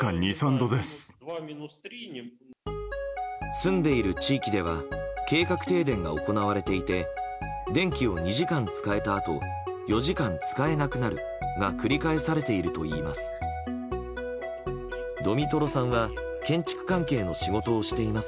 住んでいる地域では計画停電が行われていて電気を２時間使えたあと４時間使えなくなるが繰り返されているといいます。